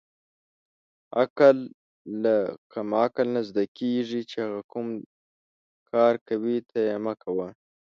عقل له قمعل نه زدکیږی چی هغه کوم کار کوی ته یی مه کوه